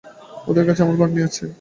ওদের কাছে আমার ভাগ্নি আছে।